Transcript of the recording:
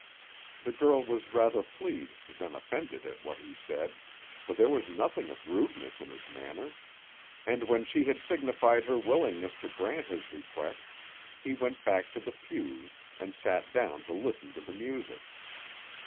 The girl was rather pleased than offended at what he said, for there was nothing of rudeness in his manner; and when she had signified her willingness to grant his request, he went back to the pews, and sat down to listen to the music.